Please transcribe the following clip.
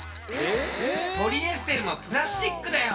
ポリエステルもプラスチックだよ！